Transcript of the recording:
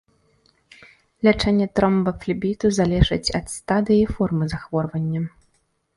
Лячэнне тромбафлебіту залежыць ад стадыі і формы захворвання.